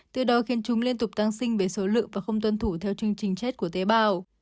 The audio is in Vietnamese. từ đó khiến chúng liên tục tăng sinh về số lượng và không tuân thủ theo chương trình chết của tế bào